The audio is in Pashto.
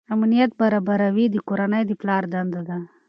امنیت برابروي د کورنۍ د پلار دنده ده.